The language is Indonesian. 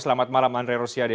selamat malam andre rosiade